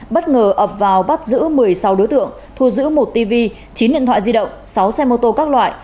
bất ngờ ập vào bắt giữ một mươi sáu đối tượng thu giữ một tv chín điện thoại di động sáu xe mô tô các loại